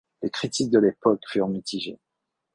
Les critiques de l'époque furent mitigées.